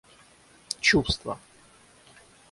чувство